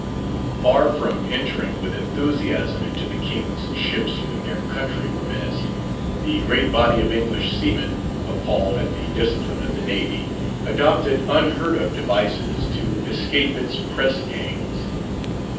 Far from entering with enthusiasm into the king's ships when their country were menaced, the great body of English seamen, appalled at the discipline of the Navy, adopted unheard of devices to escape its press gangs.